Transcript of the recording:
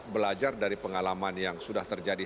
belajar dari pengalaman yang sudah terjadi